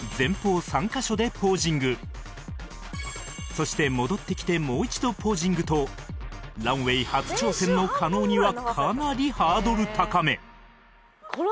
そして戻ってきてもう一度ポージングとランウェイ初挑戦の加納にはかなりハードル高め